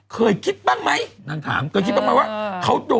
เคยคิดบ้างมั้ยก็คิดบ้างไหมว่า